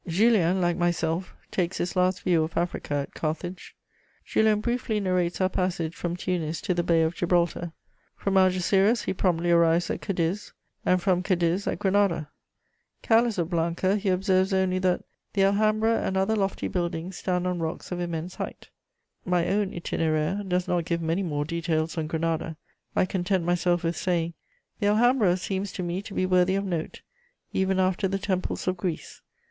] Julien, like myself, takes his last view of Africa at Carthage. Julien briefly narrates our passage from Tunis to the Bay of Gibraltar; from Algeciras he promptly arrives at Cadiz, and from Cadiz at Granada. Careless of Blanca, he observes only that "the Alhambra and other lofty buildings stand on rocks of immense height." My own Itinéraire does not give many more details on Granada; I content myself with saying: "The Alhambra seems to me to be worthy of note, even after the temples of Greece.